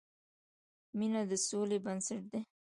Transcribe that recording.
مینه د سولې بنسټ ده.